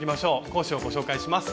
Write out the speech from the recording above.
講師をご紹介します。